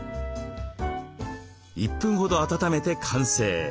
１分ほど温めて完成。